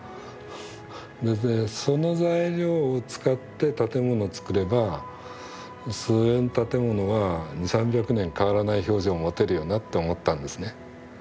それでその材料を使って建物つくればその建物は２００３００年変わらない表情を持てるよなって思ったんですね。